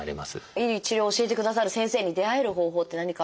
いい治療を教えてくださる先生に出会える方法って何かあるんですか？